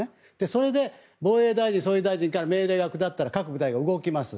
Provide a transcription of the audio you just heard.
それで防衛大臣、総理大臣から命令が下ったら各部隊が動きます。